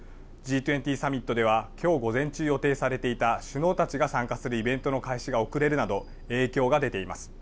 Ｇ２０サミットではきょう午前中予定されていた首脳たちが参加するイベントの開始が遅れるなど影響が出ています。